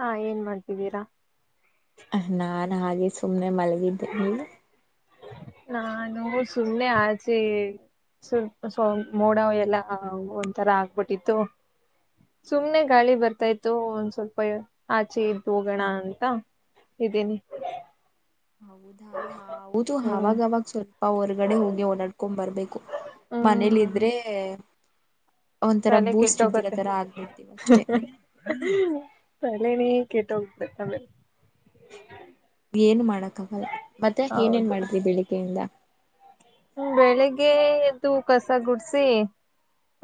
ಹಾ ಏನ್ ಮಾಡ್ತಿದ್ದೀರಾ ನಾನ್ ಹಾಗೆ ಸುಮ್ನೆ ಮಲಗಿದ್ದೆ ನೀವು ನಾನು ಸುಮ್ನೆ ಆಚೆ ಸಲ್ಪ ಮೋಡ ಎಲ್ಲ ಒಂಥರ ಆಗ್ಬಿಟ್ಟಿತ್ತು ಸುಮ್ನೆ ಗಾಳಿ ಬರ್ತಾ ಇತ್ತು ಒಂದ್ ಸ್ವಲ್ಪ ಆಚೆ ಇದ್ದ ಹೋಗೋಣ ಅಂತ ಇದ್ದೀನಿ ಹೌದಾ ಹೌದು ಹ್ಮ್ ಅವಾಗವಾಗ ಸ್ವಲ್ಪ ಹೊರಗಡೆ ಹೋಗಿ ಓಡಾಡ್ಕೊಂಡ್ ಬರ್ಬೇಕು ಮನೇಲಿ ಇದ್ರೆ [inaudible] ಒಂಥರ ತಾನೆ ಬೂಸ್ಟ್ ಇಡ್ದಿರೋ ಕೆಟ್ಟೋಗತ್ತೆ ತರ ಆಗ್ಬಿಡ್ತೀವಿ ಅಷ್ಟೇ [inaudible] ತಲೆ ನೀ ಕೇಟ್ಟ ಹೋಗ್ಬೇಕಮೇಲೆ ಏನು ಮಾಡಕ್ಕ ಆಗಲ್ಲ ಮತ್ತೆ ಏನೇನ್ ಮಾಡಿದ್ವಿ ಬೆಳಿಗ್ಗೆಯಿಂದ ಹ್ಮ ಬೆಳಿಗ್ಗೆ ಎ್ದು ಕಸ ಗುಡ್ಸಿ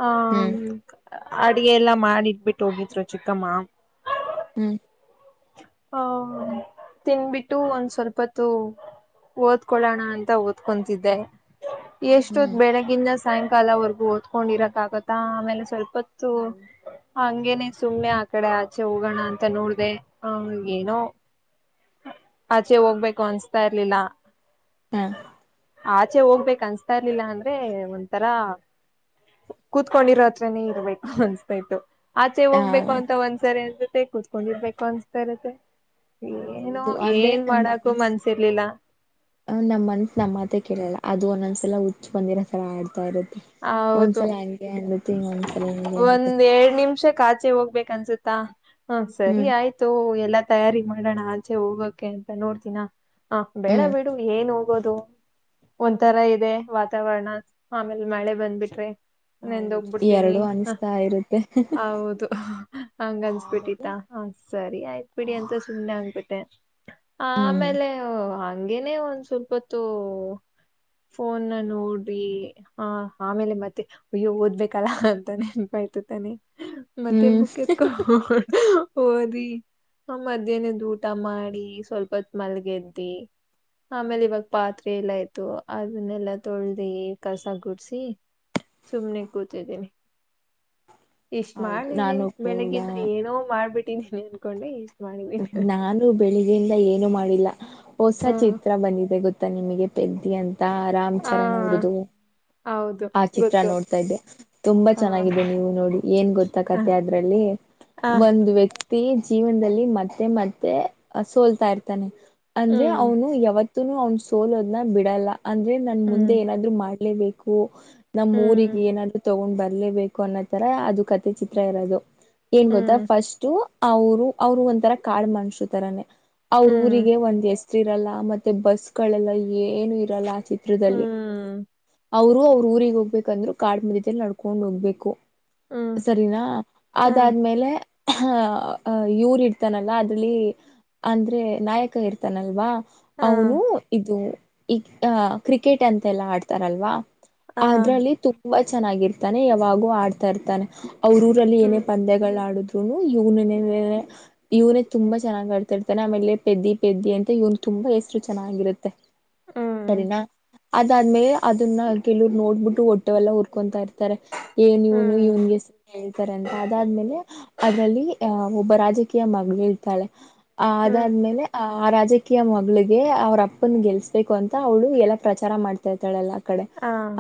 ಹ ಹ್ಮ್ [inaudible] ಅಡಗೆ ಎಲ್ಲಾ ಮಾಡಿಟ್ಬಿಟ್ಟು ಹೋಗಿದ್ರು ಚಿಕ್ಕಮ್ಮ ಹ್ಮ್ ಹ ತಿನ್ಬಿಟ್ಟು ಒಂದ್ ಸ್ವಲ್ಪತ್ತುೂ ಓದ್ಕೊಳ್ಳೋಣ ಅಂತ ಓದ್ಕೊತಿದ್ದೆ [inaudible] ಎಷ್ಟೊತ್ ಹ್ಮ್ ಬೆಳಗ್ಗಿನ್ನದ [inaudible] ಸಾಯಂಕಾಲವರೆಗೂ ಓದ್ಕೊಂಡಿರಕ್ಕ ಆಗುತ್ತ ಆಮೇಲೆ ಸ್ವಲ್ಪ ಸ್ವಲ್ಪ ಹೊತ್ತು ಹಂಗೆ ಹೇನೆ [unintelligible] ಸುಮ್ನೆ ಆ ಕಡೆ ಆಚೆ ಹೋಗೋಣ ಅಂತ ನೋಡ್ದೆ ಹ ಏನೋ ಆಚೆ ಹೋಗ್ಬೇಕು ಅನ್ಸ್ತಾ ಇರ್ಲಿಲ್ಲ ಹಾ ಆಚೆ ಹೋಗ್ಬೇಕ ಅನ್ಸ್ತಾ ಇರ್ಲಿಲ್ಲ ಅಂದ್ರೆ ಒಂಥರಾ ಕೂತ್ಕೊಂಡಿರೋತ್ರನೇ ಇರ್ಬೇಕು ಅನ್ಸ್ತಾ ಇತ್ತು ಆಚೆ ಹೋಗ್ಬೇಕು ಹ ಅಂತ ಒಂದ್ಸರಿ ಅನ್ಸುತ್ತೆ ಕುೂತ್ಕೊಂಡಿರ್ಬೇಕು ಸರುತ್ತೆ ಹೌದು ಅಂದ್ರೆ ನಮ್ ಮನ್ಸ ಮನ್ಸಿರ್ಲಿಲ್ಲ ನಮ್ ಮನ್ಸ ನಮ್ಮತೆ ಕೇಳಲ್ಲ ಅದು ಒಂದೊಂದ್ಸಲ ಹಚ್ಚು ಬಂದಿರ ತರ ಆಡ್ತಾ ಇರುತ್ತೆ ಹೌದು ಒಂದ್ಸಲ ಹಂಗೆ ಅನ್ನುತ್ತೆ ಇನ್ನೊಂದ್ಸಲ ಹಿಂಗೆ ಅನ್ನುತ್ತೆ ಒಂದ್ ಎರಡ್ ನಿಮಿಷ ಹಾಚೆ ಹೋಗ್ಬೇಕ ಅನ್ಸುತ್ತ ಹಾ ಸರಿ ಹ್ಮ್ ಆಯ್ತು ತಯಾರಿ ಮಾಡೋಣ ಆಚೆ ಹೋಗಕ್ಕೆ ಅಂತ ನೋಡ್ತಿನ ಹ ಬೇಡ ಹ್ಮ್ ಬಿಡು ಏನು ಆದು ಒಂಥರ ಇದೆ ವಾತಾವರಣ ಆ ಅಲ್ ಮಳೆ ಬಂದ್ಬಿಟ್ರಿ ಹೌದು ನೆಂದೋಗ್ಬಿಡ್ತೀನಿ ಎರಡು ಅನಿಸ್ತಾ ಇರುತ್ತೆ ಹೌದು ಹಂಗ ಹ ಆಮೇಲೆ ಅನ್ಸ್ಬಿಟ್ಟಿತ್ತ ಹ ಸರಿ ಆಯ್ತ್ ಹ ಬಿಡಿ ಅಂತ ಸುಮಮ್ಮನೆ ಆಗ್ಬಿಟ್ಟ ಅಂತೇ ಹ್ಮ್ ಆಮೇಲೆ ಹಂಗೇನೆ ಒಂದ್ ಸ್ವಲ್ಪತ್ತುೂ ಫೋನ್ ನೋಡ್ರಿ ಹ ಆಮೇಲೆ ಮತ್ತೆ ಅಯ್ಯೋ ಓದ್ಬೇಕಲ್ಲ ಅಂತಾನೆ ನೆನ್ಪಾಯ್ತ ತಾನೆ ಮತ್ತೆ ಹ್ಮ್ ಬುಕ್ ಎತ್ಕ ಓದಿ ಆ ಮಧ್ಯಾಹ್ನದ್ ಊಟ ಮಾಡಿ ಸ್ವಲ್ಪತ್ ಮಲ್ಗೆದ್ದಿ ಆಮೇಲೆ ಇವಾಗ ಪಾತ್ ಆಯ್ತು ಅದನ್ನೆಲ್ಲಾ ತೊಳ್ದಿ ಕಸ ಕುಡ್ಸಿ ಸುಮ್ನೆ ಕೂತಿದ್ದೀನಿ ಇಷ್ಟ್ ನಾನು ಮಾಡಿದೀನಿ ಕೂಡ ಬೆಳಗಿಂದ ಏನೋ ಮಾಡ್ಬಿಟ್ಟ ಅನ್ಕೊಂಡೆ ಮಾಡಿದೀನಿ ನಾನು ಬೆಳಿಗ್ಗೆಯಿಂದ ಏನು ಮಾಡಿಲ್ಲ ಹೊಸ ಚಿತ್ರ ಬಂದಿದೆ ಗೊತ್ತ ನಿಮಗೆ ಪೆದ್ದಿ ಅಂತ ರಾಮ್ ಹ ಚರಣ್ ಅವ್ರದು ಹೌದು ಆ ಚಿತ್ರ ಗೊತ್ತು ನೋಡ್ತಾ ಇದ್ದೆ ತುಂಬಾ ಹ ಚೆನ್ನಾಗಿದೆ ನೀವು ನೋಡಿ ಏನ್ ಗೊತ್ತಾ ಹ ಕತೆೆ ಅದ್ರಲ್ಲಿ ಒಂದು ವ್ಯಕ್ತಿ ಜೀವನ್ ಮತ್ತೆ ಮತ್ತೆ ಮತ್ತೆ ಸೋಲ್ತಾ ಇರ್ತಾನೆ ಅಂದ್ರೆ ಹ್ಮ್ ಅವನು ಯಾವತ್ತು [inaudible] ಯಾವತ್ತೂ ಅವನ್ ಸೋಲೋದನಾ ಬಿಡಲ್ಲ ಅಂದ್ರೆ ನನ್ ಹ್ಮ್ ಮುಂದೆ ಏನಾದ್ರು ಮಾಡ ಮಾಡ್ಲೇಬೇಕು ನಮ್ಮ್ ಹ್ಮ್ ಊರಿಗೆ ಏನಾದ್ರೂ ತೊಗೊಂಡ್ ಬರ ಇಲ್ಲೇ ಬೇಕು ಅನ್ನೋ ತರ ಅದು ಕಥೆ ಚಿತ್ರ ಇರೋದು ಏನ್ ಹ್ಮ್ ಗೊತ್ತಾ ಫಸ್ಟು ಅವರು ಅವರು ಒಂತರ ಕಾಡ್ ಮನುಷ್ರು ತರಾನೆ ಅವ್ರ ಊರಿಗೆ ಒಂದ ಎಸ್ ಇರಲ್ಲ ಮತ್ತೆ ಬಸ್ ಗಳೆಲ್ಲ ಇರಲ್ಲ ಏನು ಇರಲ್ಲ ಆ ಚಿತ್ರದಲ್ಲಿ ಅವ್ರು ಅವ್ರ ಊರಿಗೆ ಹೋಗ್ಬೇಕಂದ್ರು ಕಾಡ ಮಧ್ಯಲ್ಲಿ ನಡ್ಕೊಂಡು ಹೋಗ್ಬೇಕು ಸರಿನಾ ಅದಾದ್ಮೇಲೆ ಹ ಯುವ್ರು ಇರ್ತಾನಲ್ಲ ಅದ್ರಲ್ಲಿ ಅಂದ್ರೆ ನಾಯಕ ಇರ್ತಾನಲ್ವಾ ಅವನು ಇದು ಈಗ ಆಹ ಕ್ರಿಕೆಟ್ ಅಂತೆ ಎಲ್ಲಾ ಆಡ್ತಾರಲ್ವಾ ಅದ್ರಲ್ಲಿ ತುಂಬಾ ಚೆನ್ನಾಗಿರ್ ತಾನೆ ಯಾವಾಗೂ ಆಡ್ತಾ ಇರ್ತಾನೆ ಅವ್ರ ಊರಲ್ಲಿ ಏನೇ ಪಂದ್ಯಗಳ ಆಡುದು ನು ಇವ್ನವೆ [unintelligible] ಇವನೇ ತುಂಬಾ ಚೆನ್ನಾಗ್ ಆಡ್ತಾಇರ್ತಾನೆ ಆಮೇಲೆ ಪೆದ್ದಿ ಪೆದ್ದಿ ಅಂತ ಇವನ್ ತುಂಬಾ ಎಸ್ರು ಚೆನ್ನಾಗಿರುತ್ತೆ ಸರಿನಾ ಅದಾದ್ಮೇಲೆ ಅದನ್ನ ಕೆಲವರು ನೋಡ್ಬಿಟ್ಟು ಹೊಟ್ಟೆವೆಲ್ಲ ಹುರ್ಕೊಂತಾ ಇರ್ತಾರೆ [unintelligible] ಏನ್ ಇವನು ಇವನ್ಗೆ ಹೇಳ್ತಾರೆ ಅಂತ ಅದಾದ್ಮೇಲೆ ಅದ್ರಲ್ಲಿ ಹ ಒಬ್ಬರಾಜೆ ಕ್ಕೆ ಮಗಳು ಇರ್ತಾಳೆ ಆ ಅದಾದ್ಮೇಲೆ ಆ ಆ ರಾಜಕೀಯ ಮಗಳಿಗೆ ಅವ್ರ ಅಪ್ಪನ ಗೆಲ್ಸ್ಬೇಕು ಅಂತ ಅವಳು ಎಲ್ಲ ಪ್ರಚಾರ ಮಾಡ್ತಾರ್ತಾಳಲ್ಲ ಕಡೆ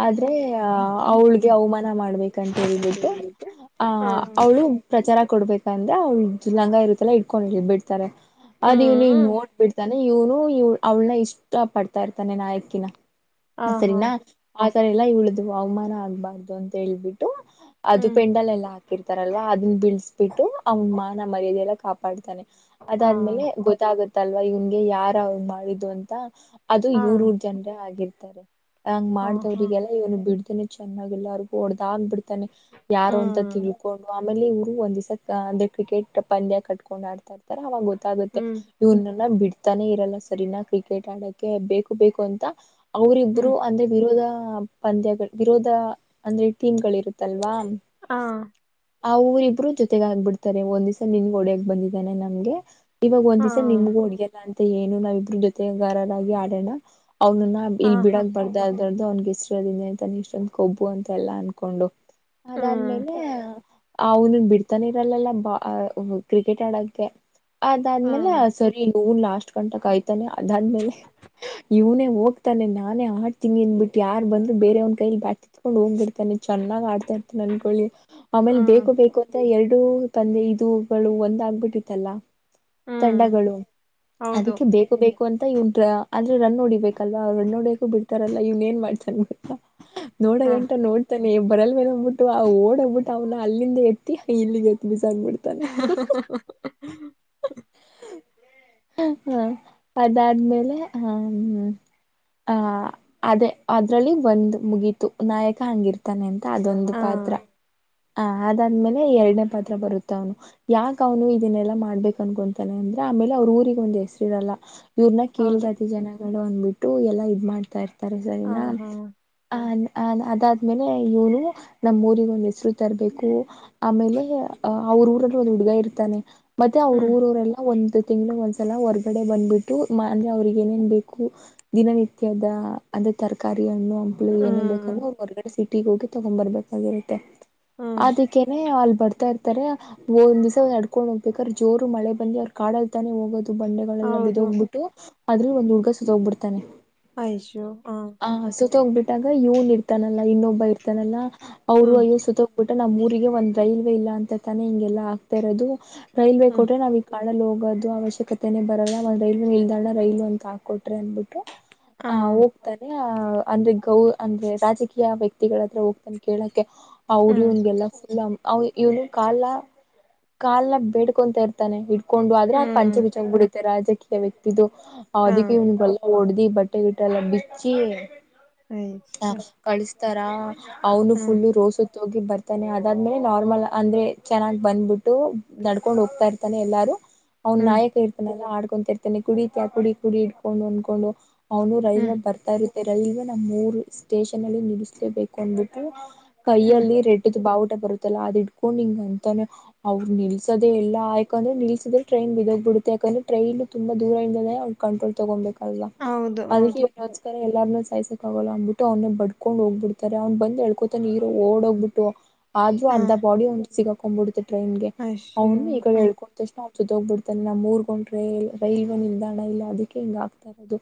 ಆದ್ರೆ ಆ ಅವಳಗೆ ಅವಮಾನ ಮಾಡ್ಬೇಕಂತ ಹೇಳ್ಬಿಟ್ಟು ಚಂದಿರುತ್ತೆ ಆ ಹ್ಮ್ ಅವ್ಳು ಪ್ರಚಾರ ಕೊಡ್ಬೇಕಂದ ಅವ ಲಂಗ ಇರುತ್ತಲ್ಲ ಇಟ್ಕೊಂಡಿ ಗಿಲ್ಬಿಡ್ತಾರೆ ಅದ ಇವ್ ಇವ್ನ್ ಹ್ಮ್ ನೋಡ್ಬ ಬಿಡ್ತಾನ ಇವ್ನು ಇಲ್ ಅವಳನ ಇಷ್ಟ ಪಡ್ತಾಇರ್ತಾನೆ ನಾಯಕಿನ ಆಹಾ ಸರಿನಾ ಸರಿ ಎಲ್ಲ ಉಳಿದು [unintelligible] ಅವಮಾನ ಆಗ್ಬಾರ್ದು ಅಂತ ಹೇಳ್ಬಿಟ್ಟು ಅದು ಹ್ಮ್ ಪೆಂಡಲ್ಲೆಲ್ಲ ಹಾಕಿರ್ತಾರಲ್ ಅದನ್ನನ್ ಬಿಳಸಬಿಟ್ಟು ಅವ್ನ್ ಮ ನ ಮರ್ಯಾದೆ ಎಲ್ಲ ಕಾಪಾಡ್ತಾನೆ ಆ ಅದಾದ್ಮೇಲೆ ಗೊತ್ತಾಗತ್ತೆ ತಲ್ವಾ ಇವನ್ಗೆ ಯಾರ ಅವ್ರು ಮಾಡಿದು ಅಂತ ಅದು ಆ ಇರೂರ್ ಜನ್ರ ಆಗಿರ್ ತರೆ ಹಂಗ ಆಹಾ ಮಾಡ್ದವ್ರರಿಗೆಲ್ಲಾ ಇವನು ಬಿಡ ಚೆನ್ನಾಗಿ ಎಲ್ಲಾರ್ರಿಗೂಡ್ ಆಗ್ ಬಿಡ್ತಾನೆ ಯಾರು ಅಂತ ಹ್ಮ್ ತಿಳ್ಕೊಂಡು ಆಮೇಲೆ ಇವ್ರು ಒಂದ ದಿಸಾಕ್ ಕ್ರಿಕೆಟ್ ಪಂದ್ಯ ಕಟ್ಕೊಂಡ್ ಆಡ್ತಾರೆ ರ ಅವಾಗ ಗೊತ್ತಾಗುತ್ತೆ ಹ್ಮ್ ಇವನ್ನೆಲ್ಲ ಬಿಡ್ತಾನೆ ಇರಲ್ಲ ಸರಿನಾ ಕ್ರಿಕೆ ಕೆಟಾಡಕ್ಕೆ ಬೇಕು ಬೇಕು ಅಂತ ಅವರಿಬ್ರು ಹ್ಮ್ ಅಂದ್ರೆ ವಿರೋಧ ಪಂದ್ಯಗಳು ವಿರೋಧ ಅಂದ್ರೆ ಟೀಮ್ ಗಳು ಇರುತ್ತಲ್ವಾ ಹ್ಮ ಆ ಆ ಅವರಿಬ್ಬರೂ ಜೊತೆಗ ಆಗ್ಬಿಡ್ತಾರೆ [unintelligible] ಒಂದ್ ದಿವಸ [unintelligible] ನಿನ್ ಒಡಾಗ ಬಂದಿದ್ದಾನನೆ ನಮ್ಗೆ ಇವಾಗ ಆ ಒಂದ್ಸ ನಿಮಗೂ ಹಡುಗೆಲ್ಲ ಅಂತ ಮತ್ತೆ [unintelligible] ಏನು ನಾವಿಬ್ರು ಜೊತೆಗಾರರಾಗಿ ಆಡೋಣ ಅವನನ್ನ ಇಲ್ಲಿ ಆಹಾ ಬಿಡಕ್ ಬಾರ್ದ ಅವನ್ ಗೆ ಇಷ್ಟದ ಅಂತಾನ ಇಷ್ಟೊಂದ ಕೊಬ್ಬು ಅಂತ ಎಲ್ಲ ಅನ್ಕೊಂಡು ಹ್ಮ್ ಅದಾದ್ಮೇಲೆ ಅವನನ್ ಬಿಡ್ತಾನೆ ಇರಲ್ಲಲ್ಲ [unintelligible] ಕ್ರಿಕೆಟ್ ಆಡಕ್ಕೆ ಅದಾದ್ಮೇಲೆ ಹ್ಮ್ ಸರಿ ಹೂನ್ ಲಾಸ್ಟ್ ಗಂಟ ಕಾಯ್ತಾನೆ ಅದಾದ್ಮೇಲೆ ಇವ್ನೇ ಹೋಗ್ತಾನೆ ನಾನೇ ಆಡ್ತೀಂಗಿ ಅನ್ಬಿಟ್ಟು ಯಾರ ಬಂದ್ರರು ಬೇರೆ ಅವನ್ ಕೈಲಿ ಬಾಟ್ [unintelligible] ಹೋಗ್ ಬಿಡ್ತೇನೆ ಚೆನ್ನಾಗ್ ಆಡ್ತೇನೆ ನನ್ಕೊಳ್ಳಿ ಆಮೇಲೆ ಹ್ಮ್ ಬೇಕು ಬೇಕು ಅಂತ ಎರಡು ಟ [unintelligible] ಪ್ಪಂದೆ ಇದುಗಳು ಒಂದ ಆಗ್ಬಿಟ್ಟಿತ್ತಲ್ಲ ಹ್ಮ್ ತಂಡಗಳು ಹೌದು ಅದಕ್ಕೆ ಬೇಕು ಬೇಕು ಅಂತ ಇವ್ ಆದ್ರೆ ರನ್ ಹೋಡಿಬೇಕಲ್ಲ ರನ್ ಹೋಡಿಯಕು ಬಿಡ್ತಾರಲ್ಲ ಇವ್ನ್ ಏನ್ ಮಾಡ್ತ ಗತ್ತಾ [unintelligible] ನೋಡ ಹ ಗಂಟ ನೋಡ್ತ ಬರಲ್ವೇನೋ ಅಂದ್ಬುಟ್ಟು ಆ ಓಡೋಗಬಿಟ್ಟು ಅವ್ನ ಅಲ್ಲಿಂದ ಎತ್ತಿ ಇಲ್ಲಿಗೆ ಎತ್ತಿ ಬಂದ್ಬಿಡ್ತಾನೆ [inaudible] ಹ ಅದಾದ್ಮೇಲೆ ಹ್ಮ್ ಅಹ ಅದೇ ಅದ್ರಲ್ಲಿ ಒಂದ್ ಮುಗೀತು ನಾಯಕ ಹಂಗಿರ್ತಾನೆ ಎಂತ ಅದೊಂದು ಆ ಪಾತ್ರ ಹ ಅದಾದ್ಮೇಲೆ ಎರಡನೇ ಪತ್ ಹತ್ರ ಬರುತ್ತ ಅವನು ಯಾಕ ಅವನು ಇದನ್ನೆಲ್ಲಾ ಮಾಡ್ಬೇಕ ಅನ್ಕೊತಾನೆ ಅಂದ್ರೆ ಆಮೇಲೆ ಅವ್ರ ಊರಿಗೆ ಒಂದ್ ಹೆಸರು ಇರಲ್ಲ ಇವ್ರನ್ನ ಹೌದು ಕೇಳ್ತತಿ ಜನ ಡ ಅಂದ್ಬಿಟ್ಟು ಎಲ್ಲಾ ಇದ್ ಮಾಡ್ತಾರೆ ಸರ ಸರಿನಾ ಆಹಾ ಆ ಅ ಅದಾದ್ಮೇಲೆ ಇವನು ನಮ್ಮ್ ಊರಿಗೆ ಒಂದು ಹೆಸರು ತರಬೇಕು ಆಮೇಲೆ ಅಹ ಅವ್ರ ಊರಲ್ಲಿ ಒಂದು ಹುಡುಗ ಇರ್ತಾನೆ ಮತ್ತೆ ಅವ್ರ ಹ್ಮ್ ಊರರೆಲ್ಲ ಒಂದು ತಿಂಗಳ ಒಂದ್ಸಲ ಹೊರ್ಗಡೆ ಬಂದ್ಬಿಟ್ಟು ಅಂದ್ರೆ ಅವ್ರಿಗೆ ಏನೇನ್ ಬೇಕು ದಿನನಿತ್ಯದ ಅಂದ್ರೆ ತರಕಾರಿ ಹಣ್ಣು ಹಂಪ್ಲು ಏನೇ ಬೇಕ ಅ ಹ್ಮ್ ಒ ಹೊರಗಡೆ ಸಿ ಗ [unintelligible] ಹೋಗಿ ತಗೊ ಬರ್ಬೇಕಾಗಿರುತ್ತೆ ಹ್ಮ್ ಅದಕ್ಕೇನೆ ಅಲ್ [unintelligible] ಒಂದಿಸ ನಡ್ಕೊಂಡ್ ಹೋಗ್ಬೇಕಾದ್ರೆ ಜೋರು ಮಳೆ ಬಂದಿ ಅವ್ರ ಕಾಡಲ್ ತಾನೆ ಹೋಗೋದ ಬಂಡೆಗಳೆಲ್ಲ ಹೌದು ಬಿದೋಗ್ಬಿಟ್ಟು ಅದ್ರ ಒಂದು ಹುಡುಗ ಸೊತೋಗ್ಬಿಡ್ತಾನೆ ಆಯೋ ಪಾ ಹೋಗ್ಬಿಟ್ಟಾಗ ಇವನ್ ಇರ್ತಾನಲ್ಲಾ ಇನ್ನೊಬ್ಬ ಇರ್ತಾನಲ್ಲಾ ಅವರು ಅಯ ಸೋತ್ ಅಂದ್ಬು ನಮ್ಮ್ ಊರಿಗೆ ಒಂದ್ ರೈಲ್ವೆ ಇಲ್ಲ ಅಂತ ತಾನೆ ಹಿಂಗೆಲ್ಲಾ ಆಗ್ತಾ ಇರೋದು ರೈಲ್ವೆ ಕೊಟ್ರೆ ನಾವ ಈ ಆಳಲ್ [unintelligible] ಹೋಗೋದು ಅವಶ್ಯಕತೆನನೆ ಬರಲ್ಲ ಒಂದ್ ರೈಲ್ ನಿಲ್ದಾಣ ರೈಲು ಅಂತ ಹಾಕೊಟ್ರೆ ಅನ್ಧಬಿಟು ಹ ಹೋಗ್ತಾನೆ ಅಂದ್ರೆ ಗೌ ಅಂದ್ರೆ ರಾಜಕೀಯ ವ್ಯಕ್ತಿಗಳತ್ರ ಹೋಗ್ತಾನೆ ಕೇಳಕ್ಕೆ ಅವ್ರ ಅವ್ಗೆಲ್ಲ ಫುಲ್ ಅವ ಇವನು ಕಾಲ ಕಾಲ ಬೇಡ್ಕೊಂತ ಇರ್ತಾನೆ ಇ ಕೊಂಡು ಆದ್ರೆ ಆ ಪಂಚೆ ಬಿಚೂ ರಾಜಕೀಯ ವ್ಯಕ್ತಿದು ಅದಕ್ಕೆ ಇವನು ಬಲ್ಲ ಹೊಡ್ದಿ ಬಟ್ಟೆ ಗಿಟ್ಟ ಎಲ್ಲ ಬಿಚ್ಚಿ [inaudible] ಅಯಾ [unintelligible] ತರಾ [inaudible] ಅವನು ಫುಲ್ಲು ರೋಸ ತಗಿ [unintelligible] ಬರ್ತಾನೆ ಅದಾದ್ಮೇಲೆ ನಾರ್ಮಲ್ ಅಂದ್ರೆ ಚೆನ್ನಾಗಿ ಬಂದ್ಬಿಟ್ಟು ನಡ್ಕೊಂಡ್ ಹೋಗ್ತಾ ಇರ್ತಾನೆ ಎಲ್ಲಾರು ಅವ್ನ ನಾಯಕ ಇರ್ತಾನೆಲ್ಲಾ ಆಡ್ [unintelligible] ಇರ್ತಾನೆ ಕುಡಿತ ಕುಡಿ ಕುಡಿ ಇಡ್ಕೊಂಡು ಅಂದಕೊಂಡು ಅವನು ರೈಲ್ವೆ ಬರ್ತಾ ಇ ರೈಲ್ವೆ ನಮ್ಮ್ ಮೂರು ಸ್ಟೇಷನ್ ಅಲ್ಲಿ ನಿಲ್ಲಿಸಲೇಬೇಕು ಅನ್ಬಿಟ್ಟು ಕೈಯಲ್ಲಿ ರೆಡ್ದು ಬಾ ಬರುತ್ತಲ್ಲ ಅದ್ ತಕೊಂಡ್ ಹಿಂಗ ಅಂತಾನೆ ಅವ್ರು ನಿಲ್ಸದೆ ಎಲ್ಲಾಯ್ಕಂದ್ರೆ ನಿಲ್ಸದ್ರ ಟ್ರೈನ್ ಬಿದೋಗ್ ಬಿಡುತ್ತೆ ಯಾಕಂದ್ರೆ ಟ್ರೈನ್ನು ತುಂಬ ದೂರ ಇದಾನೇ ಅವ್ರು ಕಂಟ್ರೋಲ್ ತಗೊಂಬಬೇಕು ಅಲ್ವಾ ಅದಕ್ಕೆ ಇವರಿಗೋಸ್ಕರ ಎಲ್ ಸಾಯ್ಸಕಕ್ ಗಲ್ಲ ಅಂದಬಟ್ಟು ಅವ್ ಬಡ್ಕೊಂಡ್ ಹೋಗ್ಬಿಡ್ತ ಅವ್ನ್ ಬಂದ್ ಎಳ್ಕೊತಾನ ಹೀರೋ ಓಡೋಗ್ಬಿಟ್ಟು ಆದ್ರೂ ಆರ್ ಸಿಗಾಕೋನ್ಬುಡ್ತೀನ್ ಟ್ರೈನ್ ಗೆ ಅವ್ನು ಈಕಡೆ ಹೇಳ್ಕೊಂಡ್ ತಕ್ಷಣ ಜೊತೋಗ್ಬಿಡ್ತಾನೆ ನಮ್ಮೂರ್ಗೊಂದ್ ಟ್ರೇಲ್ ರೈಲ್ವೆ ನಿಲ್ದಾಣ ಇಲ್ಲ ಅದಕ್ಕೆ ಹಿಂಗ್ ಆಗ್ತಾ ಇರೋದು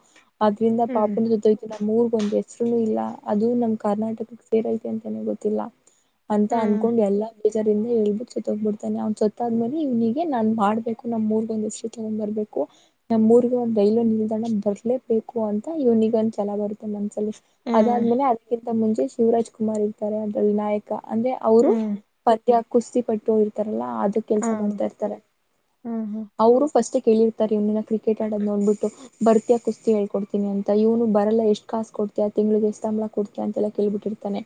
ಅದ್ರಿಂದ ಪಾಪುನ್ ಜೊತೆ ಈತರ [unintelligible] ನಮ್ಮೂರು ಒಂದ್ ಹೆಸ್ರು ಇಲ್ಲ ಅದು ನಮ್ ಕರ್ನಾಟಕ್ ಸೇರೈತೆ ಅಂತಾನೇ ಗೊತ್ತಿಲ್ಲ ಅಂತ ಅನ್ಕೊಂಡ್ ಎಲ್ಲಾ ಬೇಜಾರಿಂದ ಹೇಳ್ಬುಟ್ ಸತೋಗ್ಬಿಡ್ತಾನೆ ಅವ್ನ್ ಸೊತ್ತಾದ್ಮೇಲೆ ಇವ್ನಿಗೆ ನಾನ್ ಮಾಡ್ಬೇಕು ನಮ್ಮೂರ್ಗೊಂದು ಹೆಸ್ರು ತಗೊಂಡ್ ಬರ್ಬೇಕು ನಮ್ಮೂರ್ಗೆ ಒಂದ್ ರೈಲ್ವೆ ನಿಲ್ದಾಣ ಬರ್ಲೇಬೇಕು ಅಂತ ಇವ್ನಿಗೆ ಒಂದ್ ಚಲ ಬರುತ್ತ ಮನ್ಸಲ್ಲಿ ಅದಾದ್ಮೇಲೆ ಅದಕ್ಕೆ ತ ಮುಂಚೆ ಶಿವರಾಜ್ ಕುಮಾರ್ ಇರ್ತಾರೆ ಅದ್ರಲ್ಲಿ ನಾಯಕ ಅಂದ್ರೆ ಅವರು ಕುಸ್ತಿಪಟ್ಟು ಇರ್ತಾರೆ ಎಲ್ಲ ಅದು ಕೆಲ್ಸ ಮಾಡ್ತಾ ಇರ್ತಾರೆ ಅವ್ರು ಫಸ್ಟ್ ಕೇಳಿರ್ತಾರೆ ಇವ್ನ ಕ್ರಿಕೆಟ್ ಆಡೋದ್ ನೋಡ್ಬಿಟ್ಟು ಬರ್ತ್ಯಾ ಕುಸ್ತಿ ಹಳ್ಕೊಡ್ತೀನಿ ಅಂತ ಇವ್ನು ಬರಲ್ಲ ಎಷ್ಟ್ ಕಾಸ್ ಕೊಡ್ತ್ಯಾ ತಿಂಗ್ಳಿಗೆ ಎಷ್ಟ್ ಸಂಬ್ಳಾ ಕೊಡ್ತ್ಯಾ ಅಂತೆಲ್ಲ ಕೇಳ್ಬಿಟ್ಟಿರ್ತಾನೆ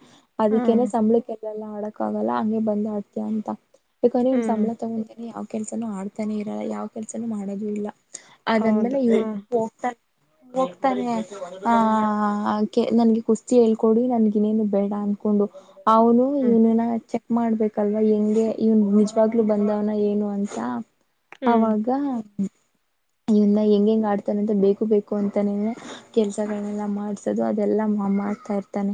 ಅದಕ್ಕೆನೆ ಸಂಬಳಕ್ಕೆ ಅದೆಲ್ಲ ಆಡಕ್ಕಾಗಲ್ಲ ಹಂಗೆ ಬ [unintelligible] ಹಡ್ಂತಾತ [unintelligible] ಬೇಕಂದ್ರೆ ಇನ್ ಸಂಬ್ [unintelligible] ತಗೊಂತಿನಿ ಹ ಕೆಲ್ಸನು ಆಡ್ತಾನೆ ಇರಲ್ಲ ಯಾವ್ ಕೆಲ್ಸನು ಮಾಡೋದು ಇಲ್ಲ ಅದಾದ್ಮೇಲೆ ಇವ್ ಹೋಗ್ತ ಹೋಗ್ತಾನೆ ಆ ಆಗ್ಗೆ ನನ್ಗೆ ಕುಸ್ತಿ ಹೇಳ್ಕೊಡು ನನ್ಗಿನ್ನೇನು ಬೇಡ ಅನ್ಕೊಂಡು [inaudible] ಅವ್ನು ಇವ್ನುನ್ನ ಚೆ ಮಾಡ್ಬೇಕು ಕಲ್ವಾ [unintelligible] ಹೆಂಗೆ ಇವನ್ ನಿಜವಾಗ್ಲುೂ ಬಂದವ್ನ ಏನು ಅಂತ [inaudible] ಅವಾಗ ಇನ್ನ ಹೆಂಗ ಹೆಂಗ್ ಆಡ್ತಾನೆ ಅಂತ ಬೇಕು ಬೇಕು ಅಂತಾನೇನೆ ಕೆಲ್ಸಗಳೆಲ್ಲ ಮಾಡ್ಸೋದು ಅದೆಲ್ಲಾ ಮಾ ಮಾಡ್ತಾ ಇರ್ತಾನೆ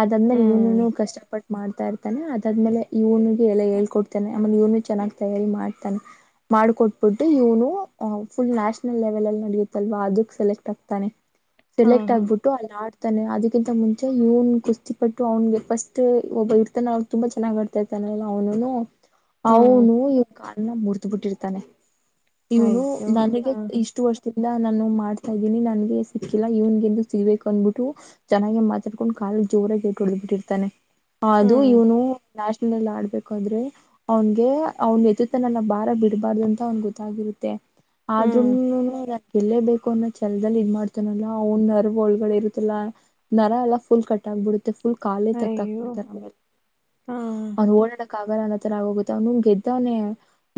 ಅದಾದ್ಮಲೆ ಇವ್ನುನು ಕಷ್ಟಪಟ್ ಮಾಡ್ತಾ ಇರ್ತಾನೆ ಅದಾದ್ಮೇಲೆ ಇವನಿಗೆ ಎಲ್ಲ ಹೇಳ್ಕೊಡ್ತಾನೆ ಆಮೇಲೆ ಇವ್ನು ಚೆನ್ನಾಗ್ ತಯಾರಿ ಮಾಡ್ತಾನೆ ಮಾಡ್ಕೊಟ್ಬಿಟ್ಟು ಇವನು ಫುಲ್ ನ್ಯಾಷನಲ್ ಲೆವೆಲ್ ಅಲ್ಲಿ ನಡೆಯುತ್ತಲ್ವಾ ಅದಕ್ ಸೆಲೆಕ್ಟ್ ಆಗ್ತಾನೆ ಸೆಲೆಕ್ಟ್ ಆಗ್ಬಿಟ್ಟು ಅಲ್ಲಿ ಆಡ್ ತಾನೆ ಅದಕ್ಕಿಂತ ಮುಂಚೆ ಇವ್ನ್ ಕುಸ್ತಿಪಟ್ಟು ಅವನ್ಗೆ ಫಸ್ಟ್ ಒಬ್ಬ ಇರ್ತಾನೆ ಅವ್ರು ತುಂಬಾ ಚೆನ್ನಾಗ್ ಆಡ್ತಾ ಇರ್ತಾನೆ ಅವನುನೂ [inaudible] ಅವ್ನು ಇವ್ನ್ ಕಾಲ್ನ ಮುರ್ ದ್ [unintelligible] ಬುಟ್ಟಿರ್ತಾನೆ ಇವನು ನನಗೆ ಇಷ್ಟು ವರ್ಷ [inaudible] ನಾನು ಮಾಡ್ತಾ ಇದ್ದೀನಿ ನನ್ಗೆ ಸಿಕ್ಕಿಲ್ಲ ಇವ್ನ್ಗೆಂದು ಸಿಗ್ಬೇಕು ಅನ್ಬಿಟ್ಟು ಚೆನ್ನಾಗ ಮಾತಾಡ್ಕೊಂಡು ಕಾಲ ಜೋರಾಗ ಇಟ್ ಹೊಡಬಿಟ್ಟಿರ್ತಾನೆ ಅದು ಇವನು ನ್ಯಾಷನಲ್ಲ್ಲಿ ಆಡ್ಬೇಕಾದ್ರೆ ಅವನ್ಗೆ ಅವ್ನ್ ಎತ್ತುತ್ತ ನನ್ನ ಭಾರ ಬಿಡ್ಬಾರ್ದ ಅಂತ ಅವನ್ ಗೊತ್ತಾಗಿರುತ್ತೆ [inaudible] ಎಲ್ಲೇ ಬೇಕು ಅನ್ನೋ ಛಲದಲ್ಲಿ ಇದ ಮಾಡ್ತಾನಲ್ಲ ಅವ್ ನಾರ್ವ ಒಳಗಡೆ ಇರುತ್ತಲ್ಲಾ ನರ ಎಲ್ಲಾ ಫುಲ್ ಕಟ್ ಆಗ್ಬಿಡುತ್ತೆ ಫುಲ್ ಕಾಲೆ ತಗ್ದಕ್ಬಿಡ್ತಾರೆ ಅವ್ರು ಓಡಾ ಕಾಗ ಅನ್ನ ತರ ಆಗೋಗುತ್ತೆ ಅವ್ನು ಗೆದ್ದವನೆ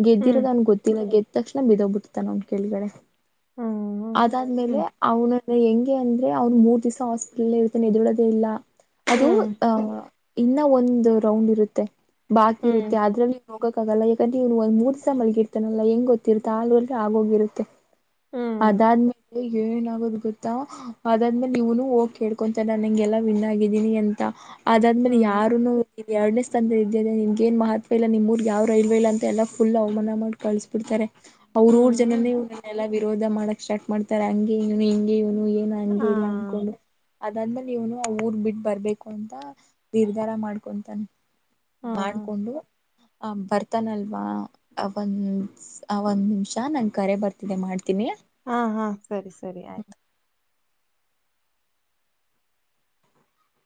ಗೆದ್ದರೋ ಅವ್ನಿಗೆ ಗೊತ್ತಿಲ್ಲ ತಕ್ಷಣ ಬಿದ್ದೋಗ್ಬಟ್ಟು ಕೆಳಗಡೆ ಅದಾದ್ಮೇಲೆ ಅವನ ಹೆಂಗೆ ಅಂದ್ರೆ ಅವ್ನು ಮೂರ್ ದಿಸಾ ಹಾಸ್ಪಿಟಲ್ ಇರ್ತಾನೆ ಎದೋಲೊದೇ ಇಲ್ಲ ಅದು ಆಹ ಇನ್ನ ಒಂದು ರೌಂಡ್ ಇರುತ್ತೆ ಬಾಕಿ ಇರುತ್ತೆ ಅದ್ರಲ್ಲಿ ಹೋಗಕ್ಕಾಗಲ್ಲ ಯಾಕಂದ್ರ ಇವನು ಒಂದ ಮೂರು ದಿಸ ಮಲಗಿರ್ತಾನಲ್ಲ ಹೆಂಗ ಗೊತ್ತಿರ್ತ ಆಳ್ ಆಗೋಗಿರುತ್ತೆ ಅದಾದ್ಮೇಲೆ ಏನ ಆಗೋದ್ ಗೊತ್ತಾ ಅದಾದ್ಮೇಲೆ ನೀವನು ಹೋಗಿ ಕೇಳ್ಕೊಂತಾರೆ ನಾನಂಗೆಲ್ಲಾ ವಿನ್ ಆಗಿದ್ದೀನಿ ಅಂತ ಅದಾದ್ಮೇಲೆ ಯಾರುನು ಇದು ಎರಡನೇ ಸ್ಥಾನದಲ್ಲಿ ಇದ್ಯಾ ನಿಮ್ಗೇನ್ ಮಹತ್ವ ಇಲ್ಲ ನಿಮ್ಮ ಊರ್ರಿಗೆ ಯಾವ್ ರೈಲ್ವೆ ಇಲ್ಲ ಅಂತ ಎಲ್ಲ ಫುಲ್ ಅವಮಾನ ಮಾಡಿ ಕಳ್ಸ್ಬಿಡ್ತಾರೆ ಅವ್ರ ಊರ್ ಜನೇ ಇಲ್ಲ ವಿರೋಧ ಮಾಡಕ್ ಸ್ಟಾರ್ಟ್ ಮಾಡ್ತಾರೆ ಹಂಗೆ ಹಗೆ ಇ ನೀ ಏನ ಹಂಗೆ ಇಲ್ಲ ಅನ್ಕೊಂಡು ಅದಾದ್ಮೇಲೆ ಇವನು ಆ ಊರ್ ಬಿಟ್ಟ ಬರ್ಬೇಕು ಅಂತ ನಿರ್ಧಾರ ಮಾಡ್ಕೊಂತಾನೆ ಹಾ ಮಾಡ್ಕೊಂಡು ಹ ಬರ್ತಾನಲ್ವಾ ಅವನ್ ಅವನ್ ನಿಮಿಷ ನಂಗೆ ಕರೆ ಬರ್ತಿದೆ ಮಾಡ್ತ ಹಾ ಹಾ ಸರಿ ಸರಿ ಆಯ್ತು